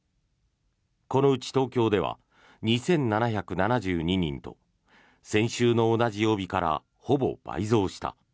このうち東京では２７７２人と先週の同じ曜日からほぼ倍増した。